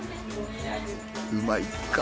うまいか？